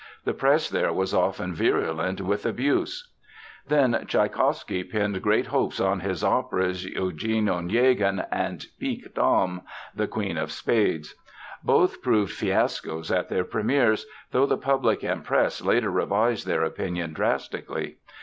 The press there was often virulent with abuse. Then Tschaikowsky pinned great hopes on his operas Eugene Onegin and Pique Dame ("The Queen of Spades"). Both proved fiascos at their premières, though the public and press later revised their opinions drastically.